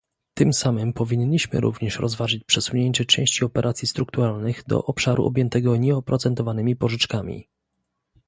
Tym samym powinniśmy również rozważyć przesunięcie części operacji strukturalnych do obszaru objętego nieoprocentowanymi pożyczkami